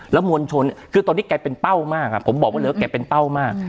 แล้วมวลชนคือตอนนี้แกเป็นเป้ามากผมบอกไว้เลยว่าแกเป็นเป้ามาก